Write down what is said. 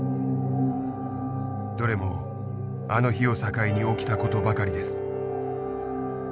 どれもあの日を境に起きた事ばかりです。